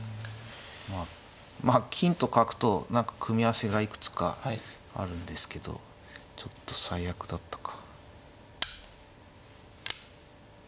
まあ金と角と何か組み合わせがいくつかあるんですけどちょっと最悪だったか。